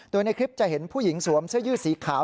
โดยในคลิปจะเห็นผู้หญิงสวมเสื้อยืดสีขาว